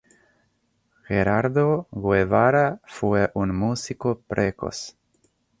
Gerardo Guevara fue un músico precoz.